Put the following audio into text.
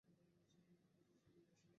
শহরের মাঝ দিয়ে অ্যাভন নদী প্রবাহিত হচ্ছে।